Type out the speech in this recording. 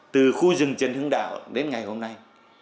từ khu rừng trần hưng đạo đến ngày hôm nay